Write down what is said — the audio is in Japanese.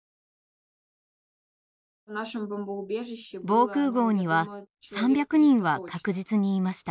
防空壕には３００人は確実にいました。